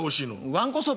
わんこそば。